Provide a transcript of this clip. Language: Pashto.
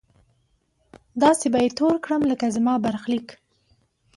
داسې به يې تور کړم لکه زما برخليک!